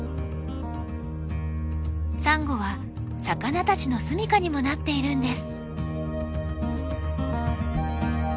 サンゴは魚たちの住みかにもなっているんです。